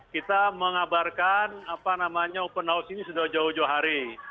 kita mengabarkan open house ini sudah jauh jauh hari